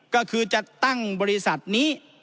ก็คือจะตั้งบริษัทนี้